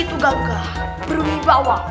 bergabah berubi bawah